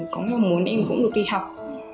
có nghĩa là muốn em cũng được đi học